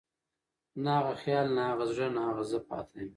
نه هغه خيال، نه هغه زړه، نه هغه زه پاتې يم